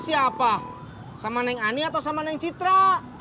sampai jumpa di video selanjutnya